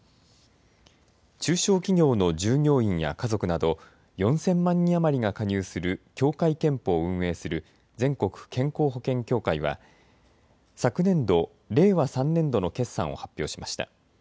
中小企業の従業員や家族など４０００万人余りが加入する協会けんぽを運営する全国健康保険協会は昨年度・令和３年度の決算を発表しました。